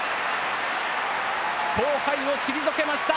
後輩を退けました！